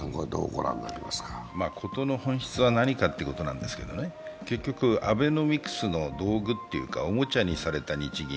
事の本質は何かということなですけど、結局、アベノミクスの道具というかおもちゃにされた日銀。